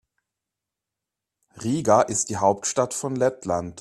Riga ist die Hauptstadt von Lettland.